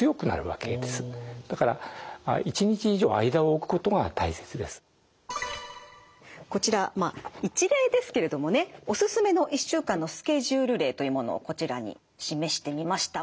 らくらく筋トレは分数ではなくてだからこちらまあ一例ですけれどもねおすすめの１週間のスケジュール例というものをこちらに示してみました。